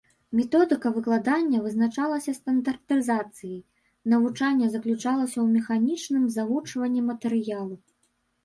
Методыка выкладання вызначалася стандартызацыяй, навучанне заключалася ў механічным завучванні матэрыялу.